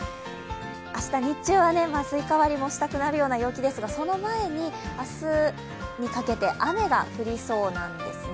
明日、日中はスイカ割りもしたくなるような陽気ですがその前に、明日にかけて雨が降りそうなんですね。